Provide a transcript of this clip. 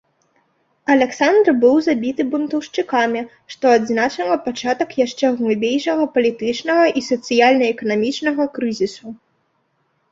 Аляксандр быў забіты бунтаўшчыкамі, што адзначыла пачатак яшчэ глыбейшага палітычнага і сацыяльна-эканамічнага крызісу.